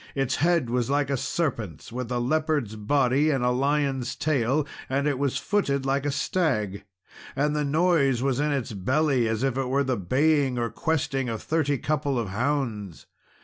Its head was like a serpent's, with a leopard's body and a lion's tail, and it was footed like a stag; and the noise was in its belly, as it were the baying or questing of thirty couple of hounds.